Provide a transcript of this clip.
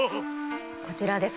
こちらです。